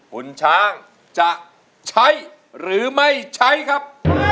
คุณช้างจะใช้หรือไม่ใช้ครับ